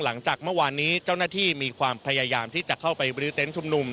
หลังจากเมื่อวานนี้เจ้าหน้าที่มีความพยายามที่จะเข้าไปบรื้อเต็นต์ชุมนุม